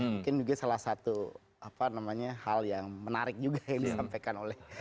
mungkin juga salah satu hal yang menarik juga yang disampaikan oleh